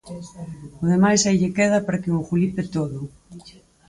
O demais aí lle queda para que o engulipe todo.